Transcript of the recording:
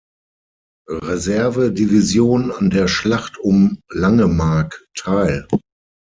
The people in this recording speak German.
Reserve-Division an der Schlacht um Langemark teil.